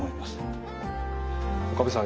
岡部さん